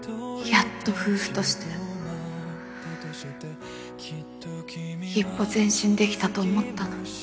やっと夫婦として一歩前進できたと思ったのに